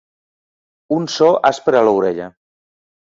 Un so aspre a l'orella.